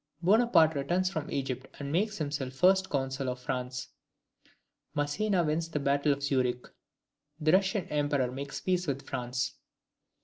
Bonaparte returns from Egypt and makes himself First Consul of France. Massena wins the battle of Zurich. The Russian emperor makes peace with France.